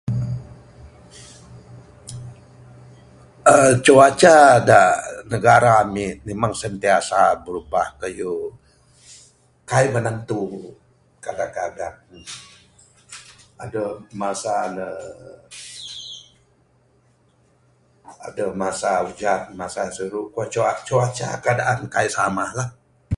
Aaa cuaca da negara ami nimang sentiasa brubah kayu ... kaik menantu, kadang kadang adh masa ne ... adeh masa ujan masa siru cua, cuaca keadaan kaik sama lah.